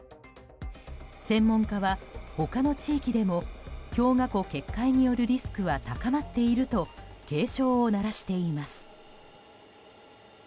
専門家は他の地域でも氷河湖決壊によるリスクは高まっていると警鐘を鳴らしています。